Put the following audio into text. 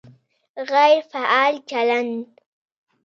غیر فعال چلند